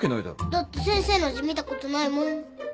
だって先生の字見たことないもん。